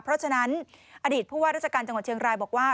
เพราะฉะนั้นอดีตผู้ว่าราชการจังหวัดเชียงรายบอกว่า